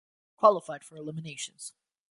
Qualified for eliminations